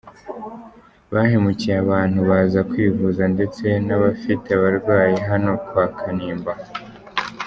Bahemukiye abantu baza kwivuza ndetse n’abafite ababrwayi hano kwa Kanimba.